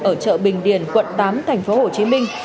ở chợ bình điền quận tám thành phố hồ chí minh